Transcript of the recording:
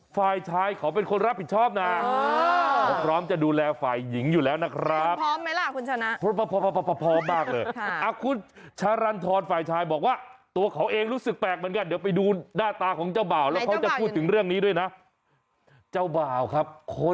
ฝ่ายชายเขาเป็นคนรับผิดชอบนะเขาพร้อมจะดูแลฝ่ายหญิงอยู่แล้วนะครับ